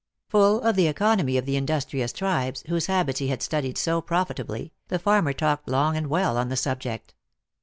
Full of the economy of the industrious tribes, whose habits he had studied so profitably, the farmer talked long and well on the subject.